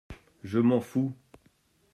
Je m’en fous.